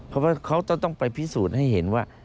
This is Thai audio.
เพราะว่าเขาต้องไปพิสูจน์ให้เห็นว่า